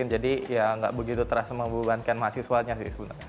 jadi ya enggak begitu terasa membubankan mahasiswanya sih sebenarnya